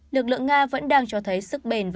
lực lượng nga vẫn đang cho thấy sức bền